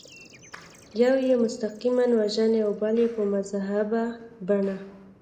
یو یې مستقیماً وژني او بل یې په مهذبه بڼه.